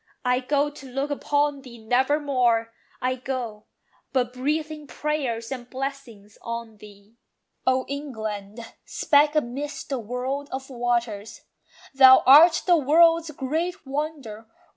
I go, to look upon thee never more; I go, but breathing prayers and blessings on thee. O England, speck amidst the world of waters! Thou art the world's great wonder.